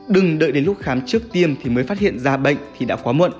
đừng đợi đến lúc khám trước tiên thì mới phát hiện ra bệnh thì đã quá muộn